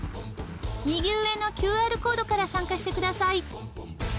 右上のＱＲコードから参加してください。